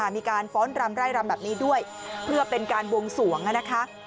ฟ้อนรำไร่รำแบบนี้ด้วยเพื่อเป็นการบวงสวงนะคะ